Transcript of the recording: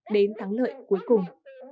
đến thắng lợi cuối cùng